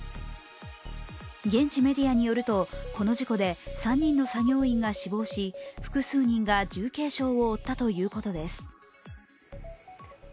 現地メディアによると、この事故で３人の作業員が死亡し、複数人が重軽傷を負ったということです。